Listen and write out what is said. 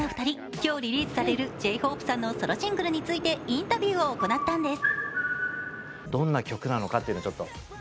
今日リリースされるＪ−ＨＯＰＥさんのソロシングルについてインタビューを行ったんです。